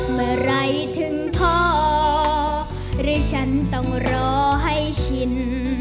เมื่อไหร่ถึงพอหรือฉันต้องรอให้ชิน